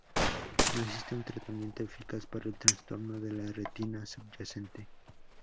No existe un tratamiento eficaz para el trastorno de la retina subyacente.